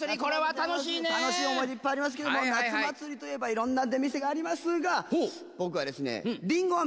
楽しい思い出、いっぱいありますけども、夏祭りといえばいろんな出店がありますが、僕はですね、りんごあめ。